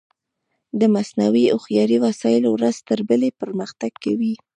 د مصنوعي هوښیارۍ وسایل ورځ تر بلې پرمختګ کوي.